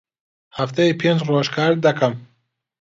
هەفتەی پێنج ڕۆژ کار دەکەم.